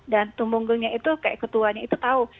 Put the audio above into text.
dan tumenggongnya itu kayak ketuanya itu tahu